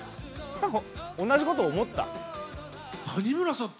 同じこと思った。